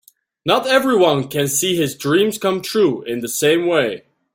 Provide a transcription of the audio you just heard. Not everyone can see his dreams come true in the same way.